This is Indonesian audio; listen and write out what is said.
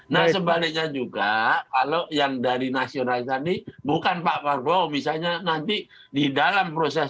nah sebaliknya juga kalau yang dari nasional tadi bukan pak prabowo misalnya nanti di dalam proses